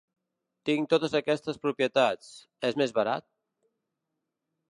Tinc totes aquestes propietats, és més barat?